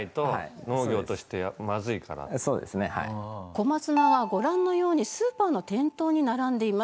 小松菜はご覧のようにスーパーの店頭に並んでいます。